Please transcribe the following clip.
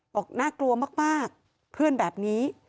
บอกน่ากลัวมากเพื่อนแบบนี้